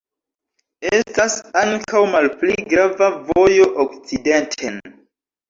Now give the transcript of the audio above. Estas ankaŭ malpli grava vojo okcidenten.